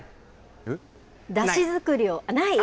だし作りを。